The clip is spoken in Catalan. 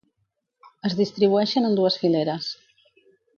Es distribueixen en dues fileres.